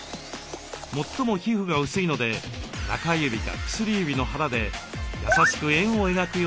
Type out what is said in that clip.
最も皮膚が薄いので中指か薬指の腹で優しく円を描くように泡を転がします。